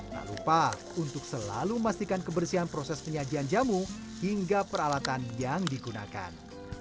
tak lupa untuk selalu memastikan kebersihan proses penyajian jamu hingga peralatan yang digunakan